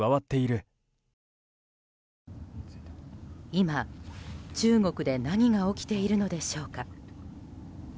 今、中国で何が起きているのでしょうか。